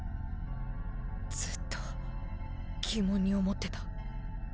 ずっと疑問に思ってた。